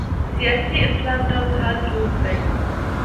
سیاسي اسلام ډلو حال جوت دی